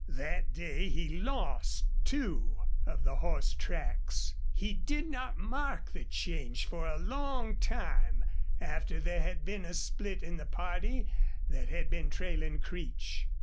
That day he lost two of the horse tracks. He did not mark the change for a long time after there had been a split in the party that had been trailing Creech.